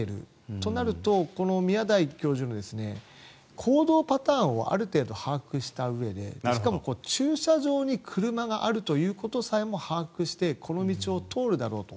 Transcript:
となると宮台教授の行動パターンをある程度把握したうえでしかも、駐車場に車があるということさえも把握してこの道を通るだろうと。